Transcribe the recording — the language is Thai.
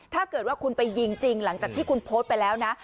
ถ้าเกิดว่าคุณไปยิงจริงหลังจากที่คุณโพสต์ไปแล้วนะ